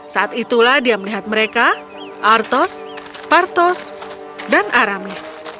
saat itulah dia melihat mereka artos partos dan aramis